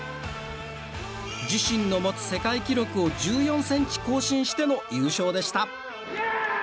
自身の持つ世界記録を１４ｃｍ更新しての優勝でした。